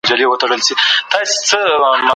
د خلکو نظریات د تصمیم نیونې په پروسې کې مهم دي.